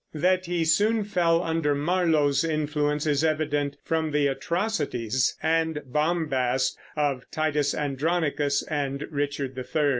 That he soon fell under Marlowe's influence is evident from the atrocities and bombast of Titus Andronicus and Richard III.